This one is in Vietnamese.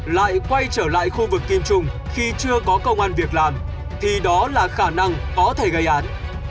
lại quay trở lại khu vực kim trung khi chưa có công an việc làm thì đó là khả năng có thể gây án